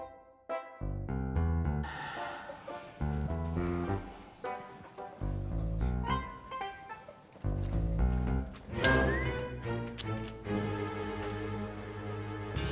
buka dulu pintunya